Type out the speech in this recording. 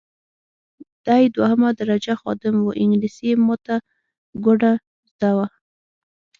دی دوهمه درجه خادم وو انګلیسي یې ماته ګوډه زده وه.